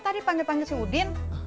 tadi panggil panggil si udin